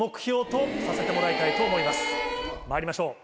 まいりましょう。